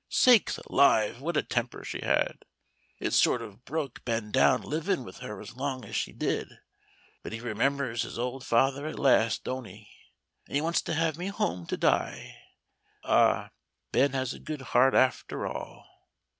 Sakes alive! what a temper she had! It sort of broke Ben down living with her as long as he did. But he remembers his old father at last, don't he? And he wants to have me home to die. Ah, Ben has a good heart after all!"